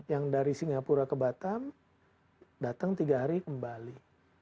yang dari singapura ke batam datang tiga hari kembali